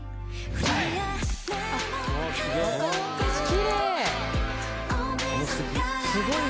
きれい！